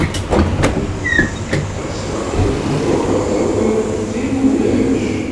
Bded, ad twaliḍ, ruḥ ad d-tawiḍ, qim ulac